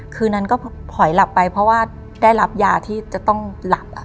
คืนนั้นก็ถอยหลับไปเพราะว่าได้รับยาที่จะต้องหลับ